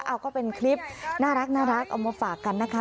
เอาก็เป็นคลิปน่ารักเอามาฝากกันนะคะ